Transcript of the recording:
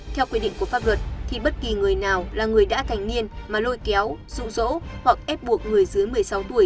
theo quy định của pháp luật thì bất kỳ người nào là người đã thành niên mà lôi kéo rụ rỗ hoặc ép buộc người dưới một mươi sáu tuổi